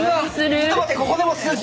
ちょっと待ってここでも数字。